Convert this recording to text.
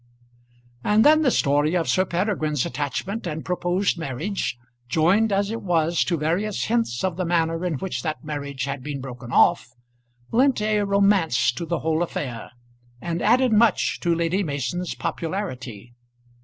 And then the story of Sir Peregrine's attachment and proposed marriage, joined as it was to various hints of the manner in which that marriage had been broken off, lent a romance to the whole affair, and added much to Lady Mason's popularity.